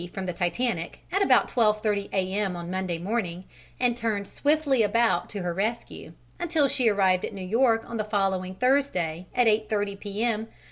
from the Titanic at about 12.30 A.M. on Monday morning and turned swiftly about to her rescue, until she arrived at New York on the following Thursday at 8.30 P.M.